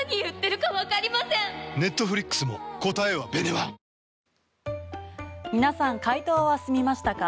メロメロ皆さん、解答は済みましたか？